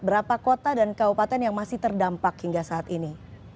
berapa kota dan kabupaten yang masih terdampak hingga saat ini